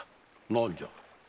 何じゃ？